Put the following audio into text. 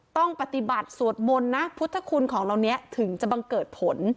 ต้องปฏิบัติสวดมนต์นะพุทธคุณของเหล่านี้ถึงจะบังเกิดผล